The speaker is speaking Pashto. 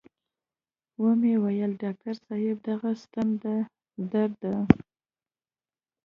و مې ويل ډاکتر صاحب دغه ستن د درد ده.